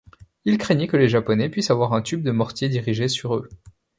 Il craignait que les Japonais puissent avoir un tube de mortier dirigé sur eux.